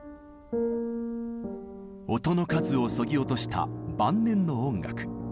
音の数をそぎ落とした晩年の音楽。